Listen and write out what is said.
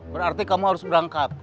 berarti kamu harus berangkat